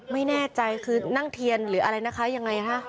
ไม่แน่ใจคือนั่งเทียนหรืออะไรนะคะยังไงคะ